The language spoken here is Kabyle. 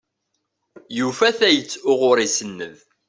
Yufa tayet uɣur isenned.